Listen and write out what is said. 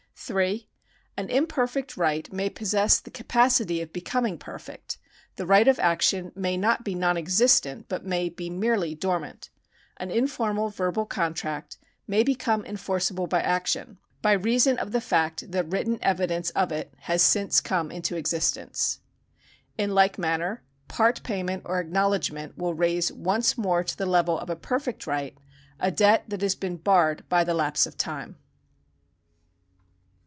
3. An imperfect right may possess the capacity of becom ing perfect. The right of action may not be non existent, but may be merely dormant. An informal verbal contract may become enforceable by action, by reason of the fact that written evidence of it has since come into existence. In like manner part payment or acknowledgment will raise once more to the level of a perfect right a debt that has been barred by the lapse of time.